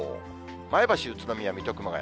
前橋、宇都宮、水戸、熊谷。